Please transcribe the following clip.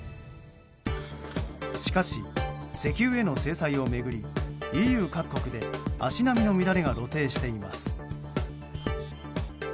しかし石油への制裁を巡りＥＵ各国で足並みの乱れが露呈しています。